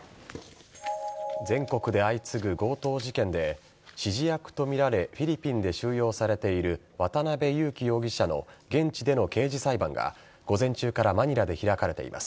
全国で相次ぐ強盗事件で指示役とみられ、フィリピンに収容されている渡辺優樹容疑者の現地での刑事裁判が午前中からマニラで開かれています。